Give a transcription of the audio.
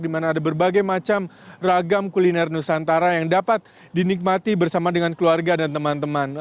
di mana ada berbagai macam ragam kuliner nusantara yang dapat dinikmati bersama dengan keluarga dan teman teman